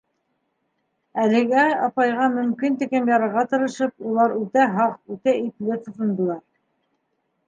Әлеге апайға мөмкин тиклем ярарға тырышып, улар үтә һаҡ, үтә ипле тотондолар.